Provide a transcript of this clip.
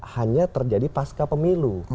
hanya terjadi pasca pemilu